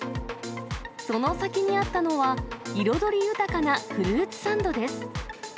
その先にあったのは、彩り豊かなフルーツサンドです。